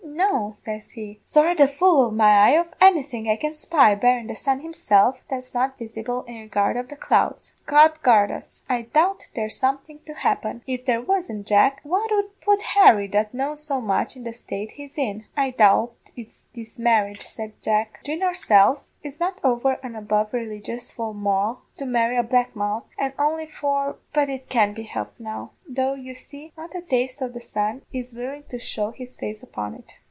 "'No,' says he, 'sorra the full o' my eye of anything I can spy, barrin' the sun himself, that's not visible in regard of the clouds. God guard us! I doubt there's something to happen.' "'If there wasn't, Jack, what 'ud put Harry, that knows so much, in the state he's in?' "'I doubt it's this marriage,' said Jack: 'betune ourselves, it's not over an' above religious for Moll to marry a black mouth, an' only for ; but it can't be helped now, though you see not a taste o' the sun is willin' to show his face upon it.'